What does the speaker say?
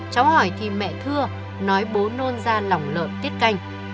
cháu hỏi thì mẹ thưa nói bố nôn ra lòng lợn tiết canh